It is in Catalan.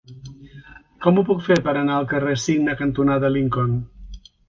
Com ho puc fer per anar al carrer Cigne cantonada Lincoln?